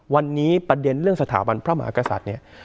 วันนี้ประเด็นเรื่องสถาบันพระมหากษัตริย์เนี่ย